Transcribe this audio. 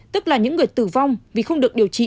tức là những người tử vong vì không được điều trị